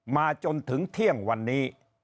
มาจนถึงเที่ยงวันนี้